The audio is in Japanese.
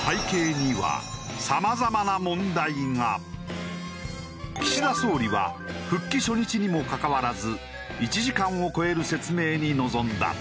その岸田総理は復帰初日にもかかわらず１時間を超える説明に臨んだ。